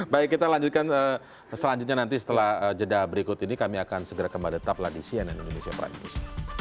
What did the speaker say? baik kita lanjutkan selanjutnya nanti setelah jeda berikut ini kami akan segera kembali tetap ladisi dengan indonesia pradis